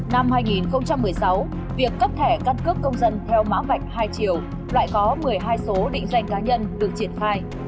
năm hai nghìn một mươi sáu việc cấp thẻ căn cước công dân theo mã vạch hai chiều lại có một mươi hai số định danh cá nhân được triển khai